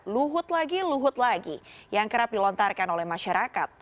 luhut lagi luhut lagi yang kerap dilontarkan oleh masyarakat